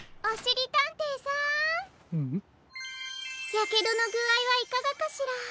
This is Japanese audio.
やけどのぐあいはいかがかしら？